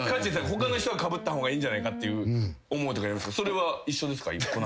他の人がかぶった方がいいんじゃないかって思うときありますけどそれは一緒ですか？